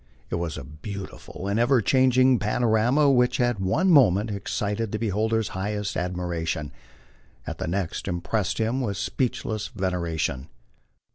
It was a beautiful and ever changing panorama which at one moment excited the beholder's highest admiration, at the next impressed him with speechless veneration.